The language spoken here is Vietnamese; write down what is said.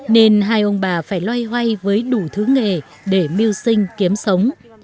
nên hai ông bà phải loay hoay với đủ thứ nghề để mưu sinh kiếm sống